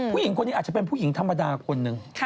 ผู้หญิงคนนี้อาจจะเป็นผู้หญิงธรรมดาคนหนึ่ง